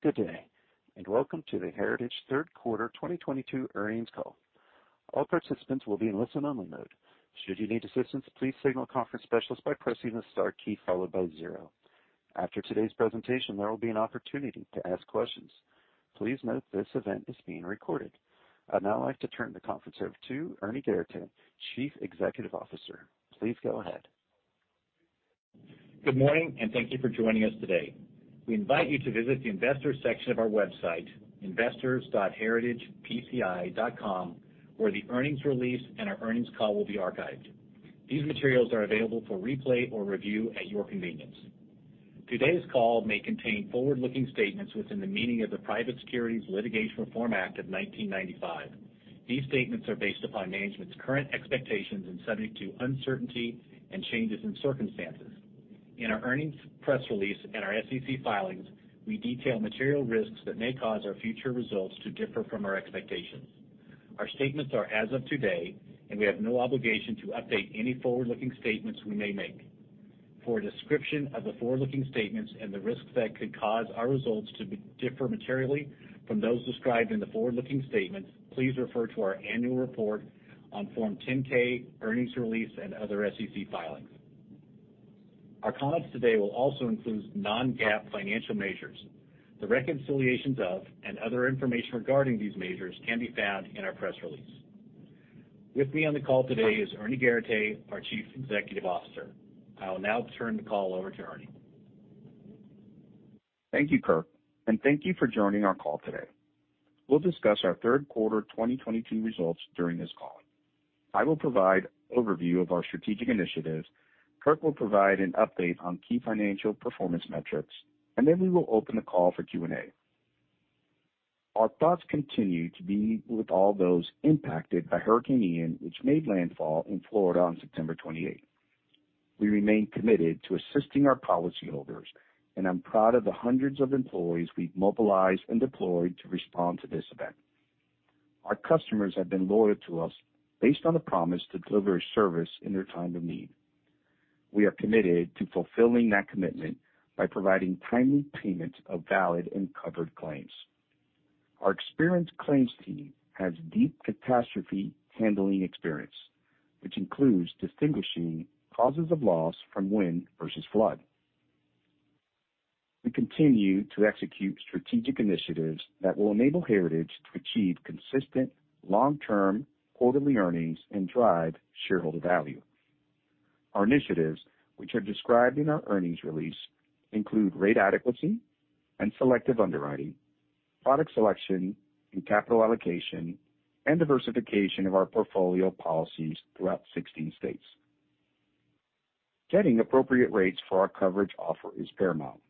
Good day, and welcome to the Heritage third quarter 2022 earnings call. All participants will be in listen-only mode. Should you need assistance, please signal a conference specialist by pressing the star key followed by zero. After today's presentation, there will be an opportunity to ask questions. Please note this event is being recorded. I'd now like to turn the conference over to Ernie Garateix, Chief Executive Officer. Please go ahead. Good morning, and thank you for joining us today. We invite you to visit the investors section of our website, investors.heritagepci.com, where the earnings release and our earnings call will be archived. These materials are available for replay or review at your convenience. Today's call may contain forward-looking statements within the meaning of the Private Securities Litigation Reform Act of 1995. These statements are based upon management's current expectations and subject to uncertainty and changes in circumstances. In our earnings press release and our SEC filings, we detail material risks that may cause our future results to differ from our expectations. Our statements are as of today, and we have no obligation to update any forward-looking statements we may make. For a description of the forward-looking statements and the risks that could cause our results to differ materially from those described in the forward-looking statements, please refer to our annual report on Form 10-K earnings release and other SEC filings. Our comments today will also include non-GAAP financial measures. The reconciliations of and other information regarding these measures can be found in our press release. With me on the call today is Ernie Garateix, our Chief Executive Officer. I will now turn the call over to Ernie. Thank you, Kirk, and thank you for joining our call today. We'll discuss our third quarter 2022 results during this call. I will provide overview of our strategic initiatives, Kirk will provide an update on key financial performance metrics, and then we will open the call for Q&A. Our thoughts continue to be with all those impacted by Hurricane Ian, which made landfall in Florida on September 28. We remain committed to assisting our policyholders, and I'm proud of the hundreds of employees we've mobilized and deployed to respond to this event. Our customers have been loyal to us based on the promise to deliver a service in their time of need. We are committed to fulfilling that commitment by providing timely payment of valid and covered claims. Our experienced claims team has deep catastrophe handling experience, which includes distinguishing causes of loss from wind versus flood. We continue to execute strategic initiatives that will enable Heritage to achieve consistent, long-term quarterly earnings and drive shareholder value. Our initiatives, which are described in our earnings release, include rate adequacy and selective underwriting, product selection and capital allocation, and diversification of our portfolio policies throughout 16 states. Getting appropriate rates for our coverage offer is paramount.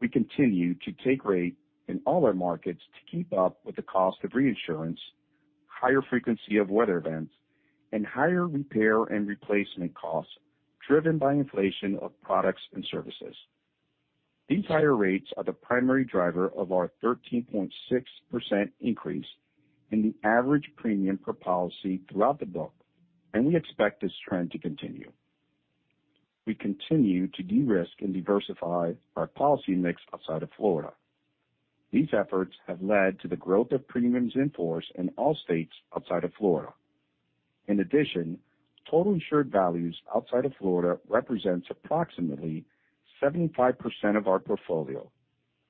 We continue to take rate in all our markets to keep up with the cost of reinsurance, higher frequency of weather events, and higher repair and replacement costs driven by inflation of products and services. These higher rates are the primary driver of our 13.6% increase in the average premium per policy throughout the book, and we expect this trend to continue. We continue to de-risk and diversify our policy mix outside of Florida. These efforts have led to the growth of premiums in force in all states outside of Florida. In addition, total insured values outside of Florida represents approximately 75% of our portfolio,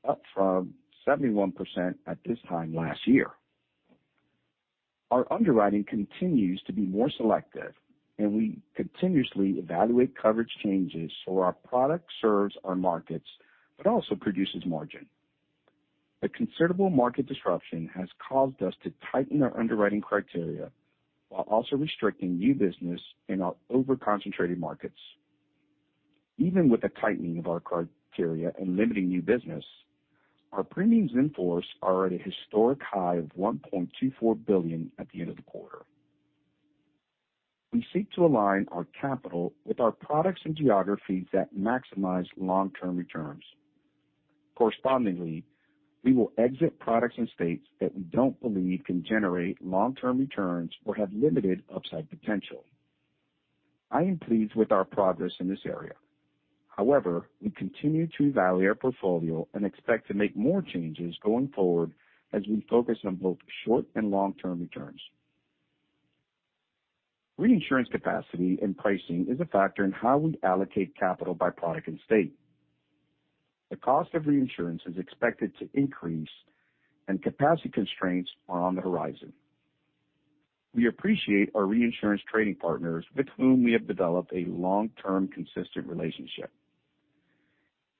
up from 71% at this time last year. Our underwriting continues to be more selective, and we continuously evaluate coverage changes so our product serves our markets but also produces margin. The considerable market disruption has caused us to tighten our underwriting criteria while also restricting new business in our over-concentrated markets. Even with the tightening of our criteria and limiting new business, our premiums in force are at a historic high of $1.24 billion at the end of the quarter. We seek to align our capital with our products and geographies that maximize long-term returns. Correspondingly, we will exit products and states that we don't believe can generate long-term returns or have limited upside potential. I am pleased with our progress in this area. However, we continue to evaluate our portfolio and expect to make more changes going forward as we focus on both short- and long-term returns. Reinsurance capacity and pricing is a factor in how we allocate capital by product and state. The cost of reinsurance is expected to increase, and capacity constraints are on the horizon. We appreciate our reinsurance trading partners with whom we have developed a long-term, consistent relationship.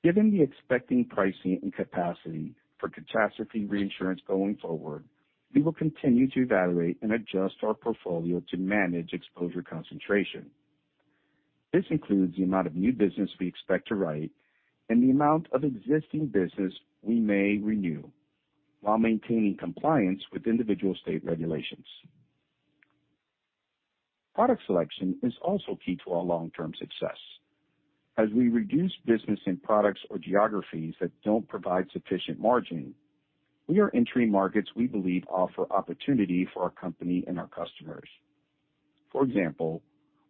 Given the expected pricing and capacity for catastrophe reinsurance going forward, we will continue to evaluate and adjust our portfolio to manage exposure concentration. This includes the amount of new business we expect to write and the amount of existing business we may renew while maintaining compliance with individual state regulations. Product selection is also key to our long-term success. As we reduce business in products or geographies that don't provide sufficient margin, we are entering markets we believe offer opportunity for our company and our customers. For example,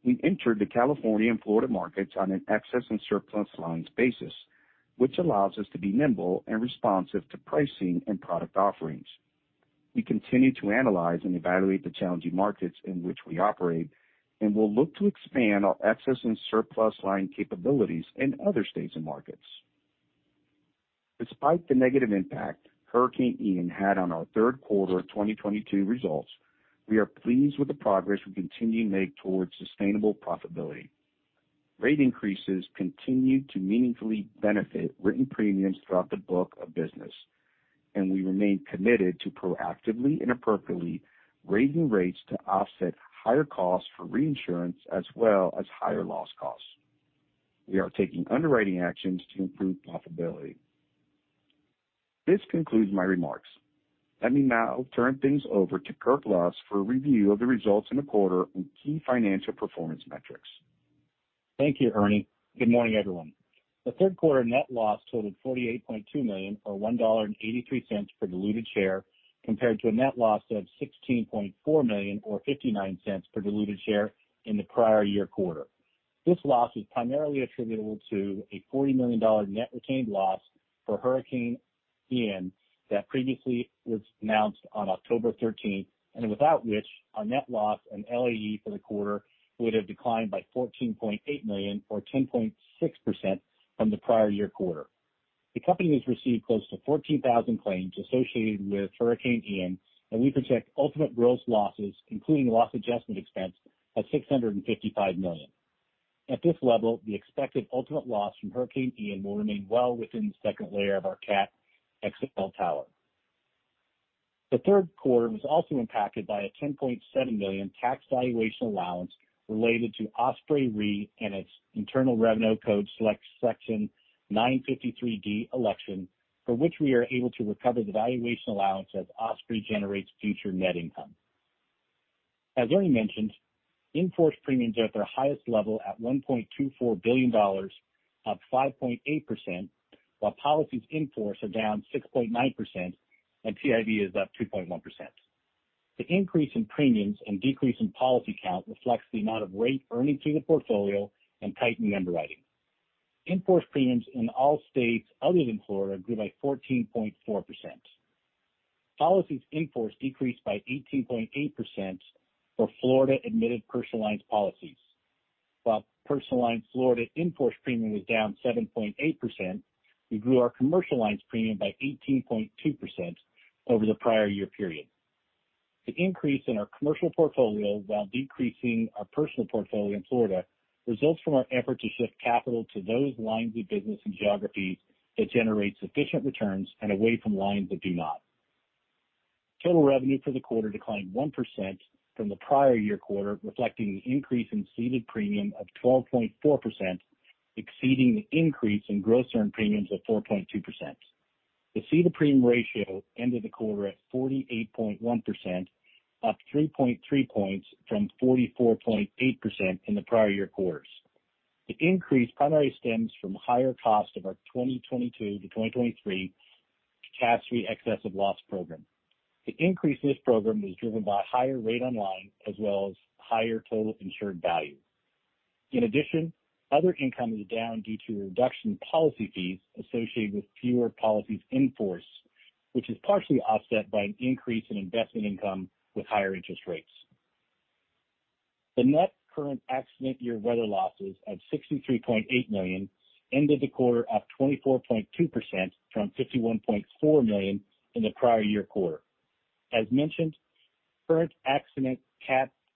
we entered the California and Florida markets on an excess and surplus lines basis, which allows us to be nimble and responsive to pricing and product offerings. We continue to analyze and evaluate the challenging markets in which we operate, and we'll look to expand our excess and surplus lines capabilities in other states and markets. Despite the negative impact Hurricane Ian had on our third quarter of 2022 results, we are pleased with the progress we continue to make towards sustainable profitability. Rate increases continued to meaningfully benefit written premiums throughout the book of business, and we remain committed to proactively and appropriately raising rates to offset higher costs for reinsurance as well as higher loss costs. We are taking underwriting actions to improve profitability. This concludes my remarks. Let me now turn things over to Kirk Lusk for a review of the results in the quarter on key financial performance metrics. Thank you, Ernie. Good morning, everyone. The third quarter net loss totaled $48.2 million, or $1.83 per diluted share, compared to a net loss of $16.4 million, or $0.59 per diluted share in the prior year quarter. This loss is primarily attributable to a $40 million net retained loss for Hurricane Ian that previously was announced on October 13, and without which our net loss and LAE for the quarter would have declined by $14.8 million, or 10.6% from the prior year quarter. The company has received close to 14,000 claims associated with Hurricane Ian, and we project ultimate gross losses, including loss adjustment expense, at $655 million. At this level, the expected ultimate loss from Hurricane Ian will remain well within the second layer of our cat excess of loss tower. The third quarter was also impacted by a $10.7 million tax valuation allowance related to Osprey Re and its Internal Revenue Code Section 953(d) election, for which we are able to recover the valuation allowance as Osprey generates future net income. As Ernie mentioned, in-force premiums are at their highest level at $1.24 billion, up 5.8%, while policies in force are down 6.9% and TIV is up 2.1%. The increase in premiums and decrease in policy count reflects the amount of rate earnings through the portfolio and tightened underwriting. In-force premiums in all states other than Florida grew by 14.4%. Policies in force decreased by 18.8% for Florida-admitted personal lines policies. While personal lines Florida in-force premium was down 7.8%, we grew our commercial lines premium by 18.2% over the prior year period. The increase in our commercial portfolio while decreasing our personal portfolio in Florida results from our effort to shift capital to those lines of business and geographies that generate sufficient returns and away from lines that do not. Total revenue for the quarter declined 1% from the prior year quarter, reflecting the increase in ceded premium of 12.4%, exceeding the increase in gross earned premiums of 4.2%. The ceded premium ratio ended the quarter at 48.1%, up 3.3 points from 44.8% in the prior year quarters. The increase primarily stems from higher cost of our 2022-2023 catastrophe excess-of-loss program. The increase in this program was driven by higher rate on line as well as higher total insured value. In addition, other income is down due to a reduction in policy fees associated with fewer policies in force, which is partially offset by an increase in investment income with higher interest rates. The net current accident year weather losses of $63.8 million ended the quarter up 24.2% from $51.4 million in the prior year quarter. As mentioned, current accident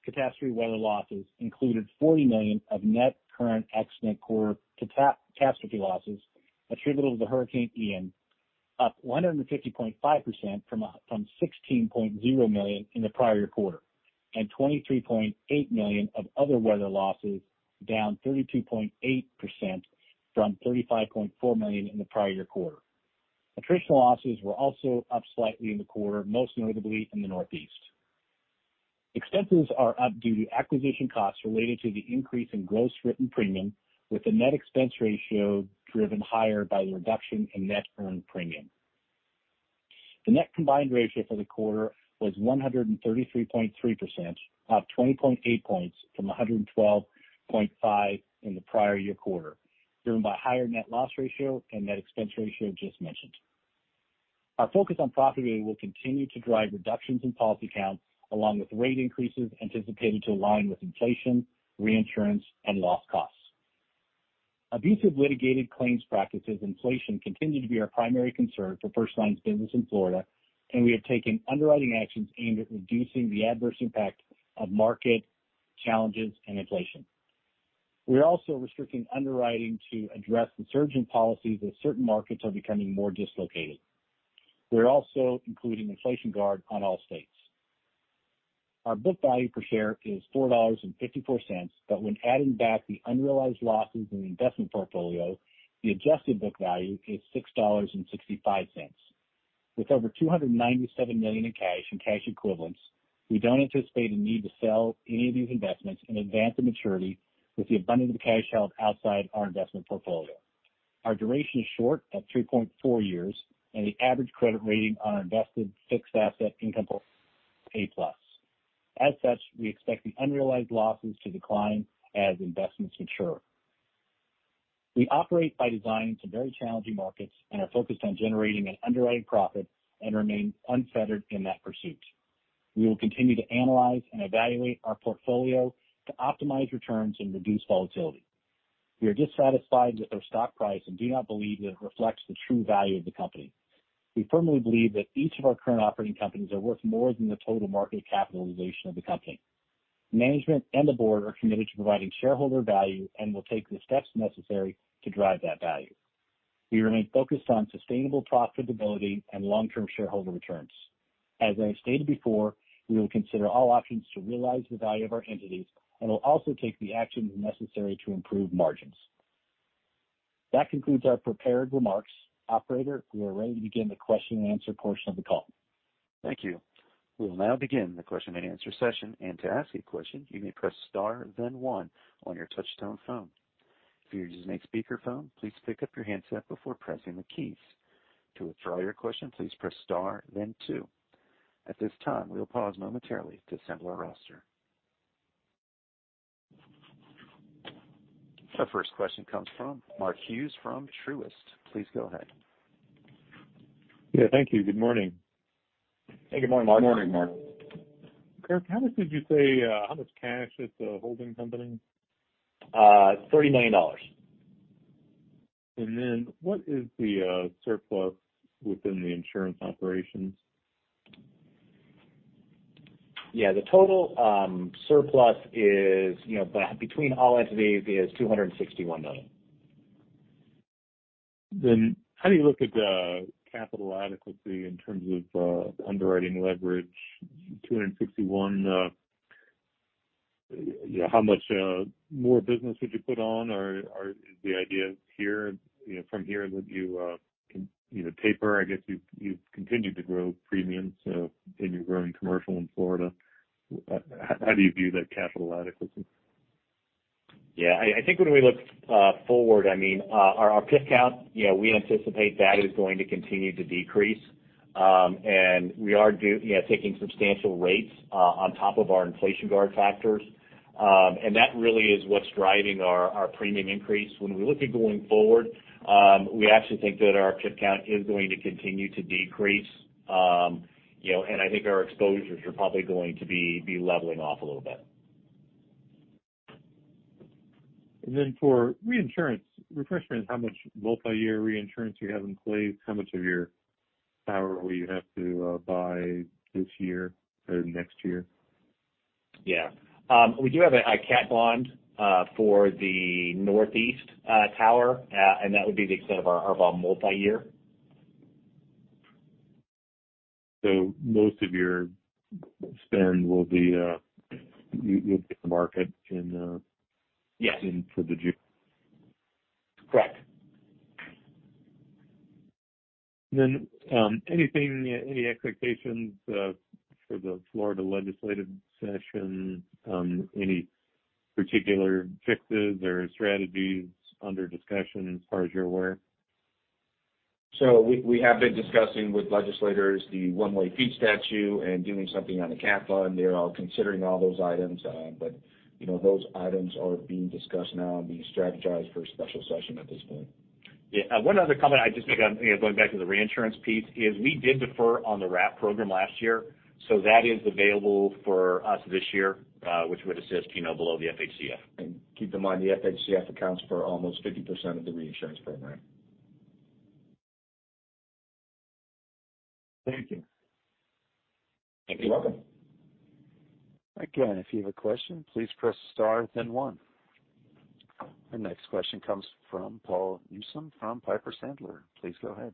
catastrophe weather losses included $40 million of net current accident core catastrophe losses attributable to Hurricane Ian, up 150.5% from $16.0 million in the prior quarter, and $23.8 million of other weather losses, down 32.8% from $35.4 million in the prior year quarter. Attritional losses were also up slightly in the quarter, most notably in the Northeast. Expenses are up due to acquisition costs related to the increase in gross written premium, with the net expense ratio driven higher by the reduction in net earned premium. The net combined ratio for the quarter was 133.3%, up 20.8 points from 112.5% in the prior year quarter, driven by higher net loss ratio and net expense ratio just mentioned. Our focus on profitability will continue to drive reductions in policy count, along with rate increases anticipated to align with inflation, reinsurance, and loss costs. Abusive litigated claims practices inflation continued to be our primary concern for personal lines business in Florida, and we have taken underwriting actions aimed at reducing the adverse impact of market challenges and inflation. We are also restricting underwriting to address the surge in policies as certain markets are becoming more dislocated. We are also including inflation guard on all states. Our book value per share is $4.54, but when adding back the unrealized losses in the investment portfolio, the adjusted book value is $6.65. With over $297 million in cash and cash equivalents, we don't anticipate a need to sell any of these investments in advance of maturity with the abundance of cash held outside our investment portfolio. Our duration is short at 3.4 years, and the average credit rating on our invested fixed income assets portfolio is A+. As such, we expect the unrealized losses to decline as investments mature. We operate by designing some very challenging markets and are focused on generating an underwriting profit and remain unfettered in that pursuit. We will continue to analyze and evaluate our portfolio to optimize returns and reduce volatility. We are dissatisfied with our stock price and do not believe that it reflects the true value of the company. We firmly believe that each of our current operating companies are worth more than the total market capitalization of the company. Management and the Board are committed to providing shareholder value and will take the steps necessary to drive that value. We remain focused on sustainable profitability and long-term shareholder returns. As I stated before, we will consider all options to realize the value of our entities and will also take the actions necessary to improve margins. That concludes our prepared remarks. Operator, we are now ready to take questions. Thank you. We'll now begin the question-and-answer session. To ask a question, you may press star then one on your touchtone phone. If you're using a speaker phone, please pick up your handset before pressing the keys. To withdraw your question, please press star then two. At this time, we'll pause momentarily to assemble our roster. Our first question comes from Mark Hughes from Truist. Please go ahead. Yeah, thank you. Good morning. Hey, good morning, Mark. Good morning, Mark. Kirk, how much cash is the holding company? $30 million. What is the surplus within the insurance operations? Yeah, the total surplus is, you know, between all entities is $261 million. How do you look at capital adequacy in terms of underwriting leverage? $261 million, you know, how much more business would you put on? Or is the idea here, you know, from here that you taper? I guess you've continued to grow premiums, so and you're growing commercial in Florida. How do you view that capital adequacy? I think when we look forward, I mean, our PIF count, you know, we anticipate that is going to continue to decrease. We are taking substantial rates on top of our inflation guard factors. That really is what's driving our premium increase. When we look at going forward, we actually think that our PIF count is going to continue to decrease. You know, I think our exposures are probably going to be leveling off a little bit. For reinsurance placement, how much multi-year reinsurance you have in place, how much of your tower will you have to buy this year or next year? Yeah. We do have a catastrophe bond for the Northeast tower. That would be the extent of our multi-year. Most of your spend will be, you'll get the market in. Yes. In for the June. Correct. Anything, any expectations for the Florida legislative session, any particular fixes or strategies under discussion as far as you're aware? We have been discussing with legislators the one-way attorney fee statute and doing something on the cat bond. They're all considering all those items. You know, those items are being discussed now and being strategized for a special session at this point. Yeah. One other comment I just make on, you know, going back to the reinsurance piece is we did defer on the RAP program last year, so that is available for us this year, which would assist, you know, below the FHCF. Keep in mind, the FHCF accounts for almost 50% of the reinsurance program. Thank you. You're welcome. Again, if you have a question, please press star then one. Our next question comes from Paul Newsome from Piper Sandler. Please go ahead.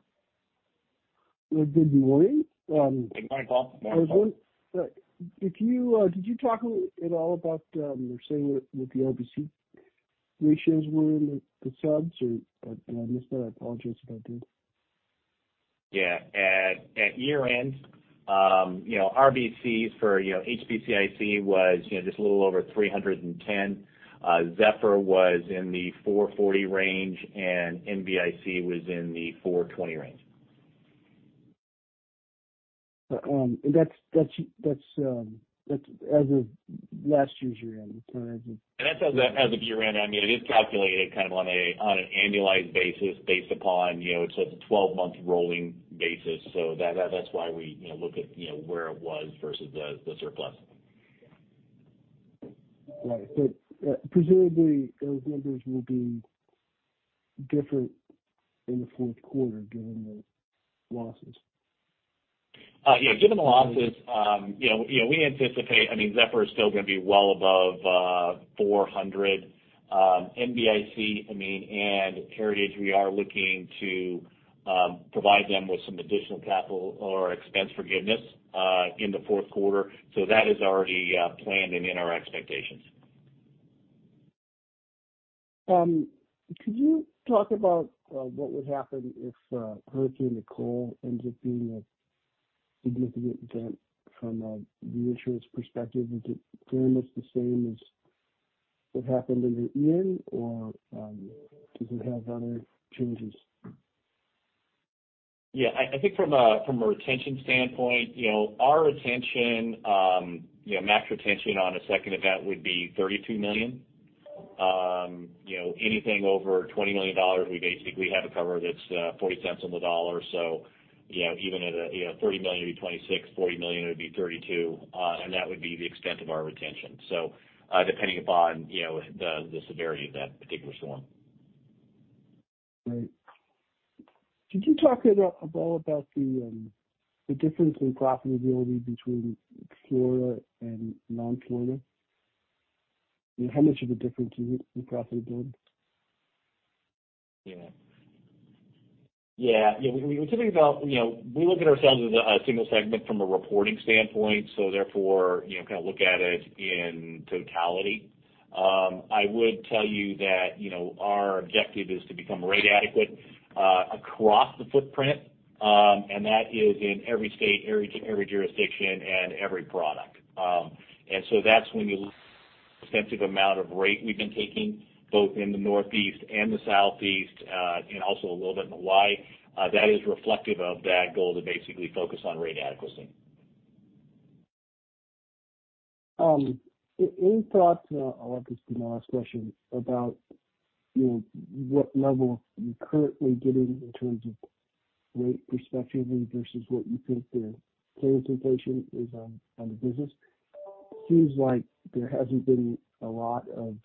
Well, good morning. Good morning, Paul. Good morning, Paul. Did you talk a little at all about you were saying that the RBC ratios were in the subs or did I miss that? I apologize if I did. Yeah. At year-end, you know, RBCs for HPCIC was just a little over 310%. Zephyr was in the 440% range, and NBIC was in the 420% range. That's as of last year's year-end, correct? That's as of year-end. I mean, it is calculated kind of on an annualized basis based upon, you know, it's a 12-month rolling basis. That's why we, you know, look at, you know, where it was versus the surplus. Right. Presumably those numbers will be different in the fourth quarter given the losses. Yeah, given the losses, you know, we anticipate, I mean Zephyr is still gonna be well above 400. NBIC, I mean, and Heritage, we are looking to provide them with some additional capital or expense forgiveness in the fourth quarter. That is already planned and in our expectations. Could you talk about what would happen if Hurricane Nicole ends up being a significant event from the insurance perspective? Is it pretty much the same as what happened in Ian? Or, does it have other changes? Yeah, I think from a retention standpoint, you know, our retention, you know, max retention on a second event would be $32 million. You know, anything over $20 million, we basically have a cover that's $0.40 on the dollar. So, you know, even at $30 million would be$26 million, $40 million would be $32 million. And that would be the extent of our retention. So, depending upon, you know, the severity of that particular storm. Right. Could you talk a bit about the difference in profitability between Florida and non-Florida? How much of a difference is it in profitability? Yeah, we're talking about, you know, we look at ourselves as a single segment from a reporting standpoint, so therefore, you know, kind of look at it in totality. I would tell you that, you know, our objective is to become rate adequate across the footprint. That is in every state, every jurisdiction and every product. That's when you look at extensive amount of rate we've been taking both in the Northeast and the Southeast, and also a little bit in Hawaii. That is reflective of that goal to basically focus on rate adequacy. Any thoughts, I'll let this be my last question, about, you know, what level you're currently getting in terms of rate perspective versus what you think the claims inflation is on the business? Seems like there hasn't been a lot of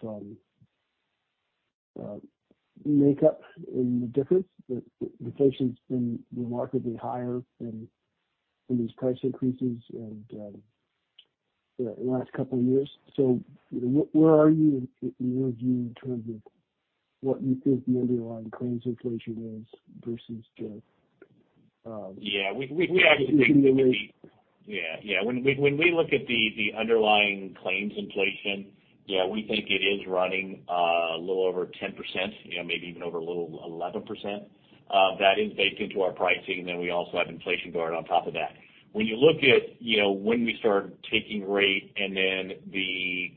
makeup in the difference. The inflation's been remarkably higher than these price increases in the last couple of years. Where are you in your view, in terms of what you think the underlying claims inflation is versus the inflation rate. Yeah. When we look at the underlying claims inflation, yeah, we think it is running a little over 10%, you know, maybe even over a little 11%. That is baked into our pricing, then we also have inflation guard on top of that. When you look at, you know, when we start taking rate and then the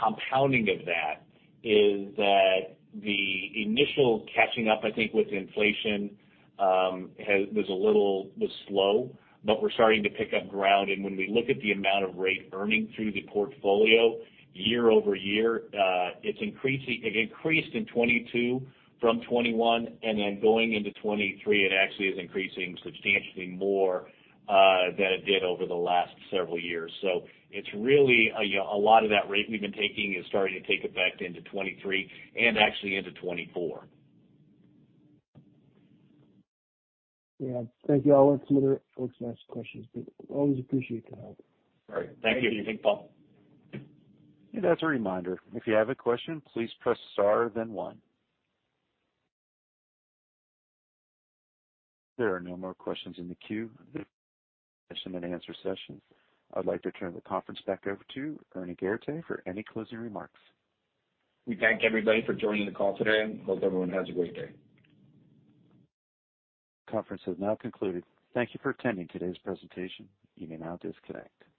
compounding of that is that the initial catching up, I think, with inflation, was a little slow, but we're starting to pick up ground. When we look at the amount of rate earning through the portfolio year-over-year, it's increasing. It increased in 2022 from 2021, and then going into 2023, it actually is increasing substantially more than it did over the last several years. It's really a lot of that rate we've been taking is starting to take effect into 2023 and actually into 2024. Yeah. Thank you. I'll let some other folks ask questions, but always appreciate the help. All right. Thank you. Thank you. Thanks, Paul. As a reminder, if you have a question, please press star then one. There are no more questions in the queue question and answer session. I'd like to turn the conference back over to Ernie Garateix for any closing remarks. We thank everybody for joining the call today and hope everyone has a great day. Conference has now concluded. Thank you for attending today's presentation. You may now disconnect.